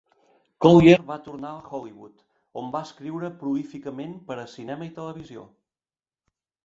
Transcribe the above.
Collier va tornar a Hollywood, on va escriure prolíficament per a cinema i televisió.